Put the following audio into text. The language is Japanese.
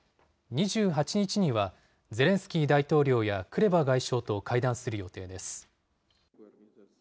２８日にはゼレンスキー大統領やクレバ外相と会談する予定です。